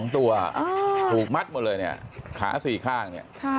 ๒ตัวถูกมัดหมดเลยขาสี่ข้าง